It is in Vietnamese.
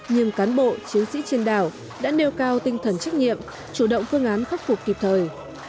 nhưng cán bộ chiến sĩ trên đảo đã nêu cao tinh thần trách nhiệm chủ động phương án khắc phục kịp thời